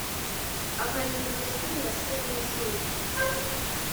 akayunguruzo k imirasire y izuba